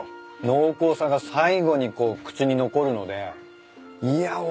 濃厚さが最後に口に残るのでいやおいしい。